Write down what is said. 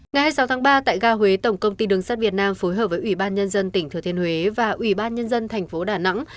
ngày hai mươi sáu tháng ba tại ga huế tổng công ty đường sắt việt nam phối hợp với ủy ban nhân dân tỉnh thừa thiên huế và ủy ban nhân dân thành phố đà nẵng